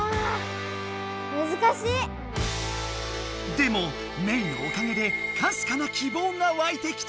でもメイのおかげでかすかな希望がわいてきた！